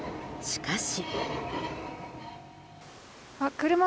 しかし。